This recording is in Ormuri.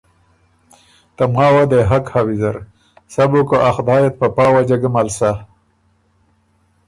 ته ماوه دې حق هۀ ویزر، سَۀ بو که ا خدای ات په پا وجه ګۀ مل سَۀ